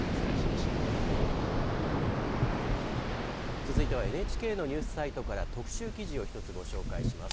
続いてはＮＨＫのニュースサイトから特集記事を１つご紹介します。